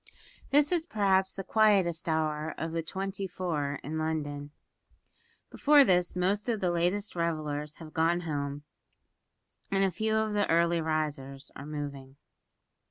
This is perhaps the quietest hour of the twenty four in London. Before this most of the latest revellers have gone home, and few of the early risers are moving.